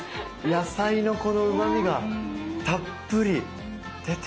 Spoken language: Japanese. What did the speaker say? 野菜のこのうまみがたっぷり出てますね。